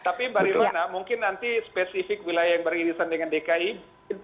tapi mbak rilona mungkin nanti spesifik wilayah yang beririsan dengan dki